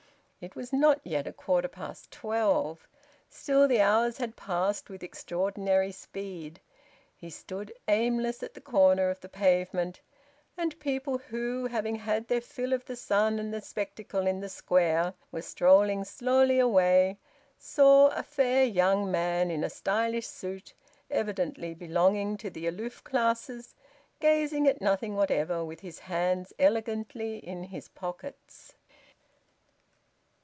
It was not yet a quarter past twelve. Still, the hours had passed with extraordinary speed. He stood aimless at the corner of the pavement, and people who, having had their fill of the sun and the spectacle in the Square, were strolling slowly away, saw a fair young man, in a stylish suit, evidently belonging to the aloof classes, gazing at nothing whatever, with his hands elegantly in his pockets.